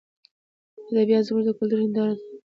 ادبیات زموږ د کلتور هنداره ده.